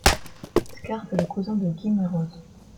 Scharf est le cousin de Guy Meroz.